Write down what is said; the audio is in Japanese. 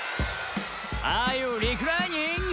「アーユーリクライニング？」